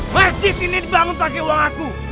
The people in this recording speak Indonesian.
masjid ini dibangun pakai uang aku